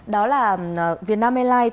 đó là vietnam airlines